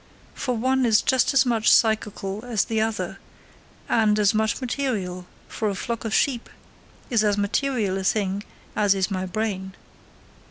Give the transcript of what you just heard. For one is just as much psychical as the other, and as much material, for a flock of sheep is as material a thing as is my brain.